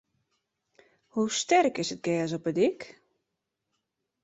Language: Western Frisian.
Hoe sterk is it gjers op de dyk?